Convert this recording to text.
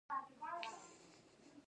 د امیدوارۍ د لکو لپاره د لیمو اوبه وکاروئ